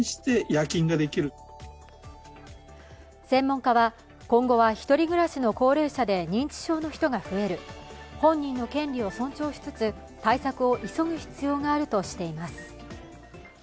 専門家は今後は１人暮らしの高齢者で認知症の人が増える、本人の権利を尊重しつつ対策を急ぐ必要があるとしています。